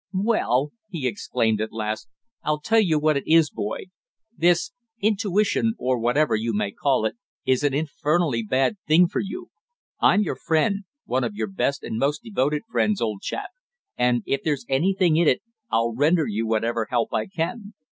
"Well," he exclaimed at last. "I'll tell you what it is, Boyd. This intuition, or whatever you may call it, is an infernally bad thing for you. I'm your friend one of your best and most devoted friends, old chap and if there's anything in it, I'll render you whatever help I can."